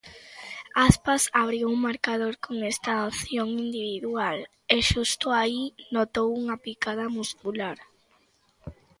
Aspas abriu o marcador con esta acción individual e, xusto aí, notou unha picada muscular.